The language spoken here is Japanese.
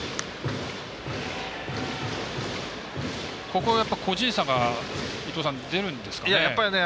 ここはやっぱり個人差が出るんですか。